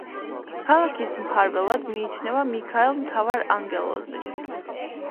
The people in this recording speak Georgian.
ქალაქის მფარველად მიიჩნევა მიქაელ მთავარანგელოზი.